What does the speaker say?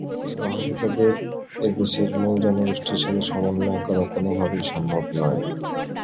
রোহিঙ্গাদের এ দেশের মূল জনগোষ্ঠীর সঙ্গে সমন্বয় করা কোনোভাবেই সম্ভব নয়।